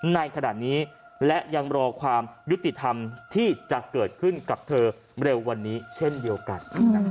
ในขณะนี้และยังรอความยุติธรรมที่จะเกิดขึ้นกับเธอเร็ววันนี้เช่นเดียวกัน